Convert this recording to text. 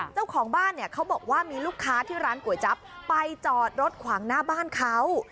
เจ้าของบ้านเนี่ยเขาบอกว่ามีลูกค้าที่ร้านก๋วยจั๊บไปจอดรถขวางหน้าบ้านเขา